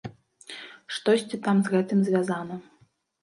Штосьці там з гэтым звязана.